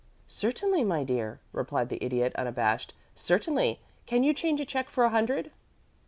"Certainly, my dear madame," replied the Idiot, unabashed "certainly. Can you change a check for a hundred?"